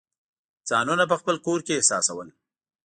ځانونه په خپل کور کې احساسول.